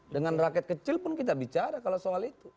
dengan rakyat kecil pun kita bicara kalau soal itu